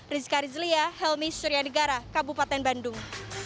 rizka rizlia helmy suryadegara kabupaten bandung